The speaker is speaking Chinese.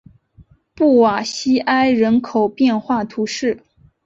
布瓦西埃人口变化图示